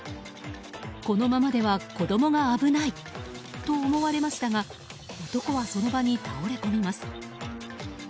このままでは子供が危ないと思われましたが男はその場に倒れこみます。